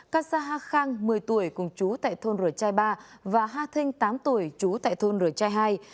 kassaha khang một mươi tuổi cùng chú tại thôn rồi trai ba và kassaha phinh tám tuổi chú tại thôn rồi trai hai